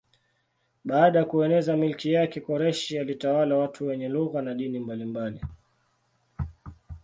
Baada ya kueneza milki yake Koreshi alitawala watu wenye lugha na dini mbalimbali.